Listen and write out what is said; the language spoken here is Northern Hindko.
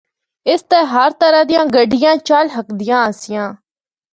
اس تے ہر طرح دی گڈیان چل ہکدیاں آسیاں۔